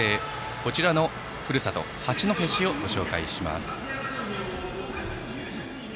こちらのふるさと八戸市をご紹介します。